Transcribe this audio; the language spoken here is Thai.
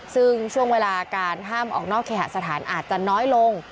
ซึ่งช่วงเวลาการห้ามออกนอกเคหสถานอาจจะน้อยลง